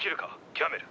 キャメル。